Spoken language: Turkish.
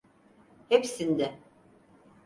Hepsinde.